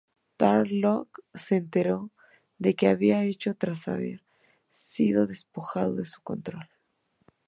Tarrlok se enteró de este hecho tras haber sido despojado de su control.